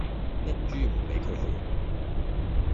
一於唔畀佢去